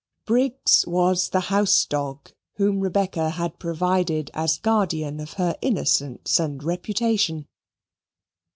Briggs was the house dog whom Rebecca had provided as guardian of her innocence and reputation.